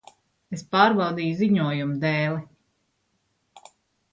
Es pārbaudīju ziņojumu dēli.